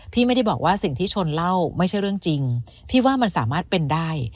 พี่ไม่ได้บอกว่าสิ่งที่ชนเล่าไม่ใช่เรื่องจริงพี่ว่ามันสามารถเป็นได้